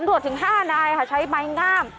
ตังสตรวจถึง๕นายค่ะชัยไม้งาม